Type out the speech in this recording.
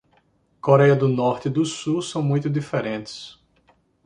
Coréia do Norte e do Sul são muito diferentes.